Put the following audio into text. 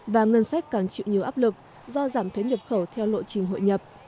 và ngân sách càng chịu nhiều áp lực do giảm thuế nhập khẩu theo lộ trình hội nhập